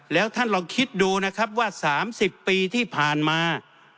แล้วท่านลองคิดดูนะครับว่า๓๐ปีที่ผ่านมา